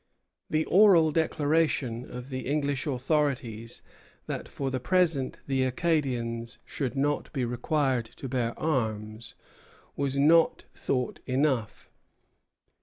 The oral declaration of the English authorities, that for the present the Acadians should not be required to bear arms, was not thought enough.